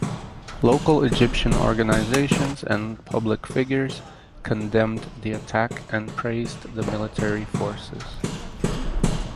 Local Egyptian organizations and public figures condemned the attack and praised the military forces.